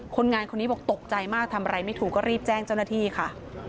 คนงานคนนี้บอกตกใจมากทำอะไรไม่ถูกก็รีบแจ้งเจ้าหน้าที่ค่ะ